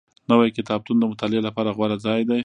نوی کتابتون د مطالعې لپاره غوره ځای دی